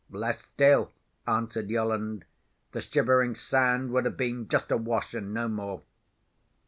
"Less still," answered Yolland. "The Shivering Sand would have been just awash, and no more."